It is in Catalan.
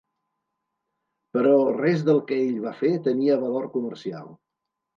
Però res del que ell va fer tenia valor comercial.